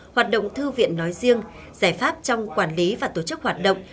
hoạt động thư viện nói riêng giải pháp trong quản lý và tổ chức hoạt động